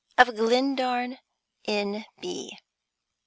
of Glendarn, N. B.